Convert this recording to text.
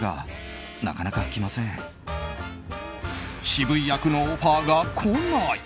渋い役のオファーが来ない！